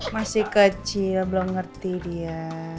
masih kecil belum ngerti dia